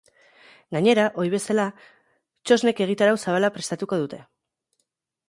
Gainera, ohi bezala, txosnek egitarau zabala prestatuko dute.